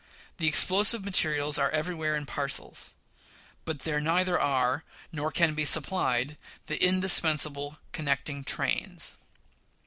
The explosive materials are everywhere in parcels; but there neither are, nor can be supplied the indispensable connecting trains.